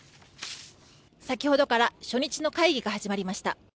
先ほどから初日の会議が始まりました。